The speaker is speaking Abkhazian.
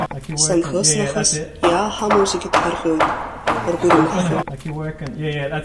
Санхыс нахыс иааҳамоу зегьы ҭҳарҟьоит, ргәы рымаҳҟьоит.